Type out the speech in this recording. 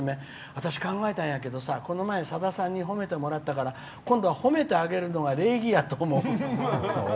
私、考えたんやけど、この前さださんに褒めてもらったから今度は褒めてあげるのが礼儀やと思う。